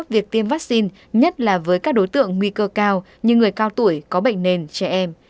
việc tiêm vaccine nhất là với các đối tượng nguy cơ cao như người cao tuổi có bệnh nền trẻ em